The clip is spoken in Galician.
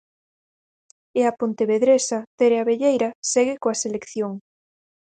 E a pontevedresa Tere Abelleira segue coa selección.